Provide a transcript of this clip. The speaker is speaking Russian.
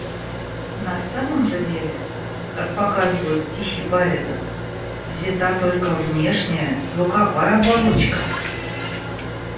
На самом же деле, как показывают стихи поэтов, взята только внешняя, звуковая оболочка.